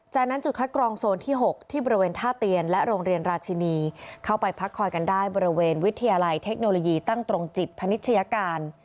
จากนั้นจุดคัดกรองโซนที่๖ที่บริเวณท่าเตียนและโรงเรียนราชินีเข้าไปพักคอยกันได้บริเวณวิทยาลัยเทคโนโลยีตั้งตรงจิตพนิชยาการ